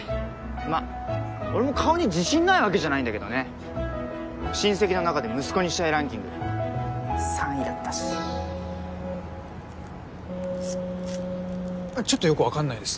まっ俺も顔に自信ないわけじゃないんだけどね親戚の中で息子にしたいランキング３位だったしちょっとよく分かんないです